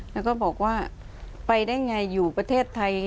แล้วก็บอกว่าไปได้ไงอยู่ประเทศไทย